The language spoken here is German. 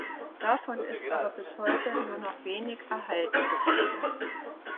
Davon ist aber bis heute nur noch wenig erhalten geblieben.